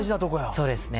そうですね。